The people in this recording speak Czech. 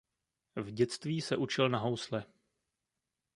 V dětství se učil na housle.